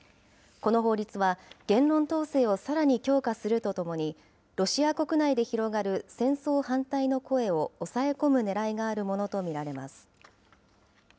この法律は、言論統制をさらに強化するとともに、ロシア国内で広がる戦争反対の声を抑え込むねらいがあるものと見られます。